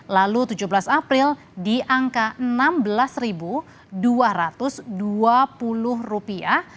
lalu tujuh belas april di angka enam belas dua ratus dua puluh rupiah